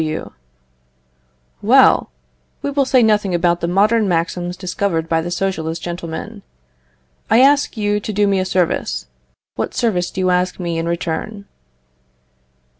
W. Well, we will say nothing about the modern maxims discovered by the Socialist gentlemen. I ask you to do me a service; what service do you ask me in return?